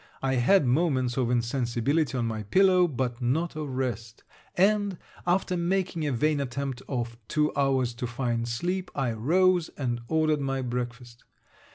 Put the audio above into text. I had moments of insensibility on my pillow, but not of rest; and, after making a vain attempt of two hours to find sleep, I rose and ordered my breakfast.